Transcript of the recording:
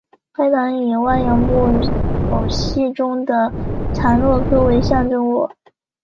该党以哇扬木偶戏中的查诺科为象征物。